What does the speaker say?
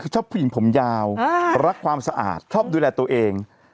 ชอบผู้หญิงผมยาวรักความสะอาดชอบดูแลตัวเอง